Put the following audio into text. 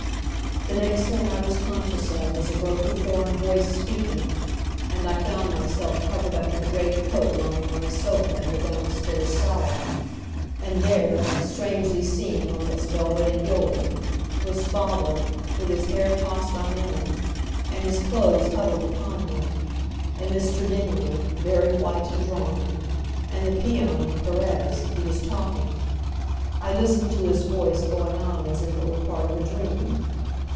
The next thing I was conscious of was a broken foreign voice speaking; and I found myself covered up with a great coat lying on a sofa in the down stairs sala; and there, strangely seen among its velvet and gilding, was father with his hair tossed on end and his clothes huddled upon him, and Mr. Dingley, very white and drawn, and the peon Perez, who was talking. I listened to his voice going on as if it were part of a dream.